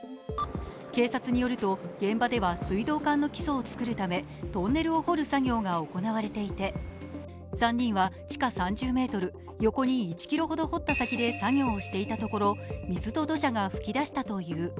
警察によると現場では水道管の基礎を作るためトンネルを掘る作業が行われていて３人は地下３０ｍ、横に１ｋｍほど掘った先で作業していたところ水と土砂が噴き出したという。